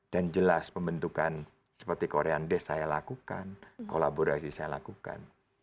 dan jelas pembentukan seperti korean death saya lakukan kolaborasi saya lakukan